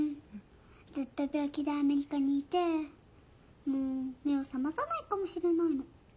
ずっと病気でアメリカにいてもう目を覚まさないかもしれないの。